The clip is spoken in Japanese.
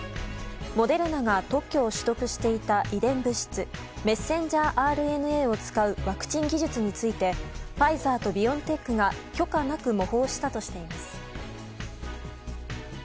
モデルナが特許を取得していた遺伝物質メッセンジャーＲＮＡを使うワクチン技術についてファイザーとビオンテックが許可なく模倣したとしています。